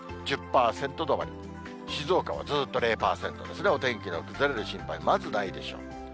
１０％止まり、静岡はずっと０％ですね、お天気の崩れる心配、まずないでしょう。